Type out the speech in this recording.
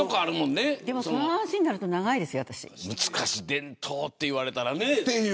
伝統って言われたらね。